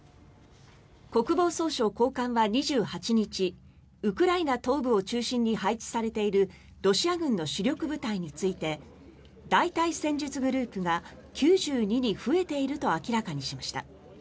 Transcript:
国防総省高官は２８日ウクライナ東部を中心に配置されているロシア軍の主力部隊について大隊戦術グループが９２に増えていると明らかにしました。